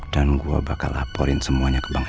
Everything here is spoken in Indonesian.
dan saya akan laporin semuanya ke bang iqbal